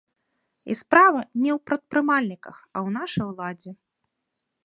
І справа не ў прадпрымальніках, а ў нашай уладзе.